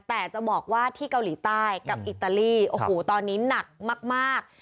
แต่จะบอกว่าที่เกาหลีใต้กับอิตาลีโอ้โหตอนนี้หนักมาก